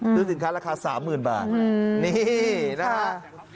ซื้อสินค้าราคา๓๐๐๐บาทนี่นะฮะ